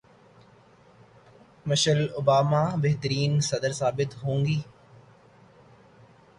Michel Obama بہترین صدر ثابت ہوں گی